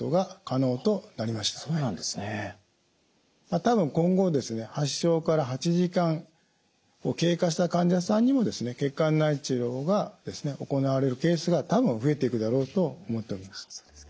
多分今後ですね発症から８時間を経過した患者さんにも血管内治療が行われるケースが多分増えていくだろうと思っております。